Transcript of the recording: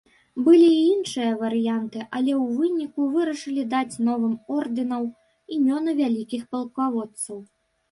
Былі і іншыя варыянты, але ў выніку вырашылі даць новым ордэнаў імёны вялікіх палкаводцаў.